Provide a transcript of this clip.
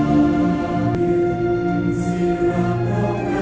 สวัสดีครับทุกคน